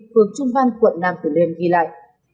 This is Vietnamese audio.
phường trung văn quận nam tử đêm ghi lại